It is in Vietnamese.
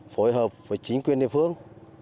phối hợp với chính quyền địa phương